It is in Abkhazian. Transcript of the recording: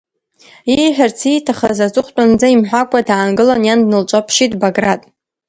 Ииҳәарц ииҭахыз аҵыхәтәанынӡа имҳәакәа даангылан, иан днылҿаԥшит Баграт.